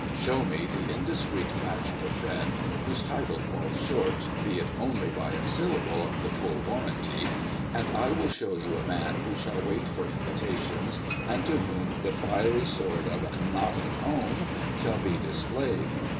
Show me the indiscreet bachelor friend whose title falls short, be it only by a syllable, of the full warranty, and I will show you a man who shall wait for invitations, and to whom the fiery sword of "not at home" shall be displayed.